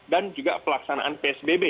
dan juga pelaksanaan psbb